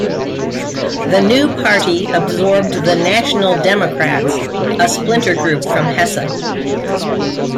The new party absorbed the "National Democrats", a splinter group from Hesse.